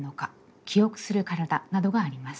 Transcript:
「記憶する体」などがあります。